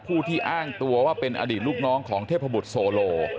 ผู้ที่อ้างตัวว่าเป็นอดีตลูกน้องของเทพบุตรโซโล